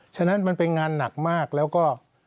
ฉะนั้นมันเป็นงานหนักมากแล้วก็